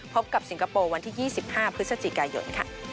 พบกับสิงคโปร์วันที่๒๕พฤศจิกายน